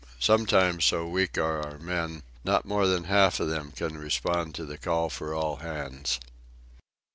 Sometimes, so weak are our men, not more than half of them can respond to the call for all hands.